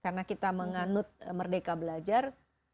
karena kita menganut merdeka belajar